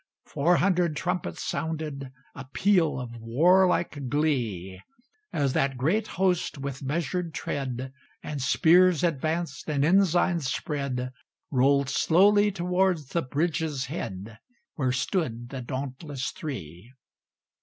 Four hundred trumpets sounded A peal of warlike glee, As that great host, with measured tread, And spears advanced, and ensigns spread, Rolled slowly towards the bridge's head, Where stood the dauntless Three.